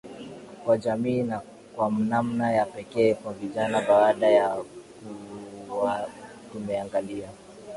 kwa jamii na kwa namna ya pekee kwa vijana Baada ya kuwa tumeangalia